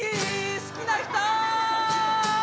好きな人！